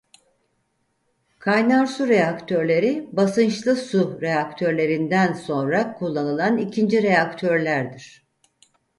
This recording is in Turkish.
Kaynar su reaktörleri basınçlı su reaktörlerinden sonra kullanılan ikinci reaktörlerdir.